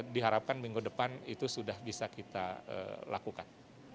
diharapkan minggu depan itu sudah bisa kita lakukan